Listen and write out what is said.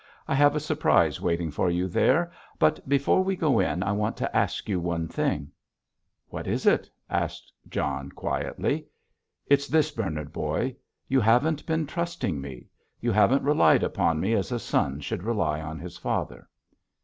I have a surprise waiting for you there, but before we go in I want to ask you one thing?" "What is it?" John asked quietly. "It's this, Bernard, boy; you haven't been trusting me. You haven't relied upon me as a son should rely on his father."